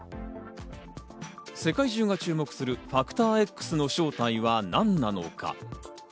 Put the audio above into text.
世界中が注目するファクターＸの正体は何なのか。